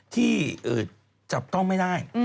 ที่จับต้องไม่ได้